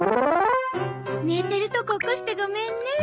寝てるとこ起こしてごめんね。